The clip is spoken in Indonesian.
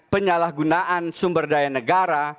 penyalahgunaan sumberdaya negara